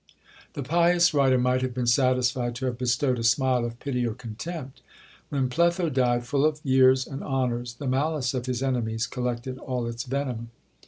The pious writer might have been satisfied to have bestowed a smile of pity or contempt. When Pletho died, full of years and honours, the malice of his enemies collected all its venom.